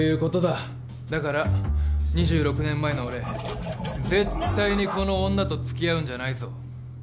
だから２６年前の俺絶対にこの女と付き合うんじゃないぞ。